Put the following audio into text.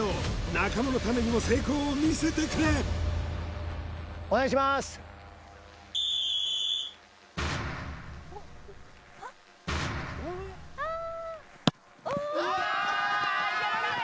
仲間のためにも成功を見せてくれお願いしまーすあーっ！